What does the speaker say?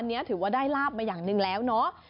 อันนี้ถือว่าได้ลาบมาอย่างหนึ่งแล้วเนาะ